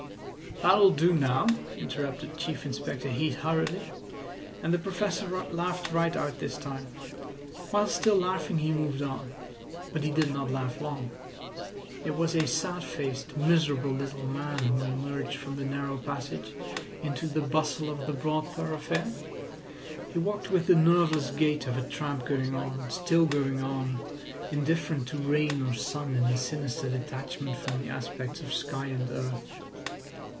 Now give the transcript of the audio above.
"That'll do now," interrupted Chief Inspector Heat hurriedly; and the Professor laughed right out this time. While still laughing he moved on; but he did not laugh long. It was a sad faced, miserable little man who emerged from the narrow passage into the bustle of the broad thoroughfare. He walked with the nerveless gait of a tramp going on, still going on, indifferent to rain or sun in a sinister detachment from the aspects of sky and earth.